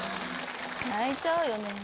泣いちゃうよね。